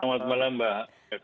selamat malam mbak